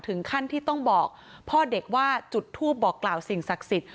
ถึงขั้นที่ต้องบอกพ่อเด็กว่าจุดทูปบอกกล่าวสิ่งศักดิ์สิทธิ